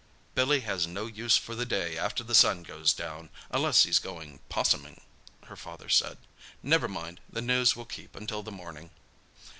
"Billy has no use for the day after the sun goes down, unless he's going 'possuming," her father said. "Never mind—the news will keep until the morning."